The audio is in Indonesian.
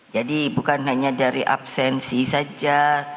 jadi bukan hanya dari absensi saja